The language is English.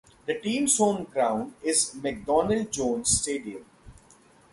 The team's home ground is McDonald Jones Stadium.